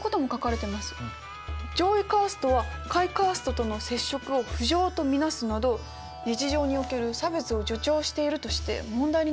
上位カーストは下位カーストとの接触を不浄と見なすなど日常における差別を助長しているとして問題になってるようです。